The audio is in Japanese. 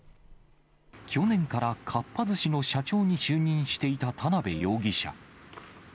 去年からかっぱ寿司の社長に就任していた田辺容疑者。